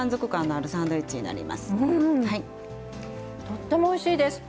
とってもおいしいです。